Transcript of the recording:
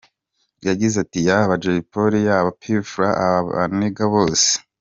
Yagize ati ”Yaba Jay Polly, yaba P’Fla, aba banigga bose.